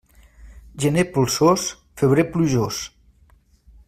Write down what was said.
Gener polsós, febrer plujós.